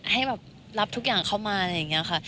ให้แบบรับทุกอย่างเข้ามาอะไรอย่างนี้ค่ะ